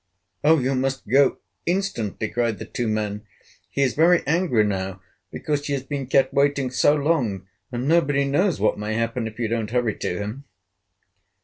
"Oh! you must go instantly!" cried the two men. "He is very angry now because he has been kept waiting so long; and nobody knows what may happen if you don't hurry to him."